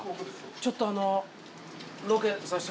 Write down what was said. ちょっとあの。